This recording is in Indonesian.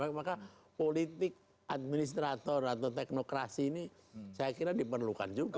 jadi kemungkinan politik administrator atau teknokrasi ini saya kira diperlukan juga